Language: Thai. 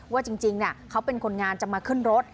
ว่าจริงเขาเป็นคนงานจะมาขึ้นรถ